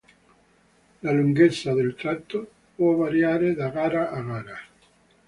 La lunghezza del tratto può variare da gara a gara.